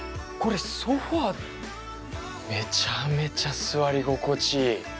これソファめちゃめちゃ座り心地いい。